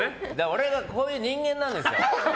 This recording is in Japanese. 俺はこういう人間なんですよ。